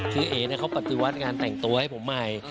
คือเอ๋เขาปฏิวัติงานแต่งตัวให้ผมใหม่